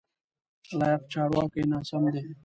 لایق: چارواکی ناسم دی.